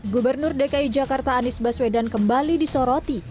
gubernur dki jakarta anies baswedan kembali disoroti